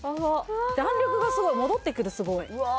弾力がすごい戻ってくるすごいうわ